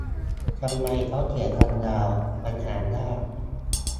ทำไมเค้าเขียนกันยาว มันอ่านยาก